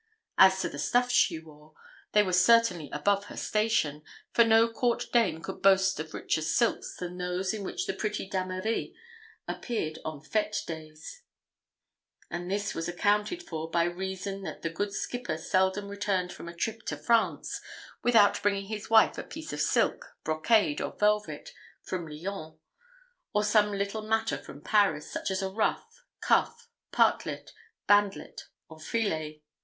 As to the stuffs she wore, they were certainly above her station, for no Court dame could boast of richer silks than those in which the pretty Dameris appeared on fête days; and this was accounted for by reason that the good skipper seldom returned from a trip to France without bringing his wife a piece of silk, brocade, or velvet from Lyons; or some little matter from Paris, such as a ruff, cuff, partlet, bandlet, or fillet.